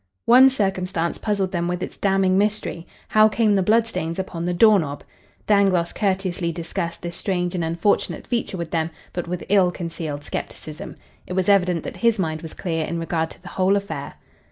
One circumstance puzzled them with its damning mystery: how came the blood stains upon the door knob? Dangloss courteously discussed this strange and unfortunate feature with them, but with ill concealed skepticism. It was evident that his mind was clear in regard to the whole affair.